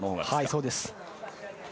そうです。